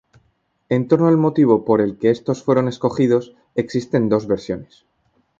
En torno al motivo por el que estos fueron escogidos existen dos versiones.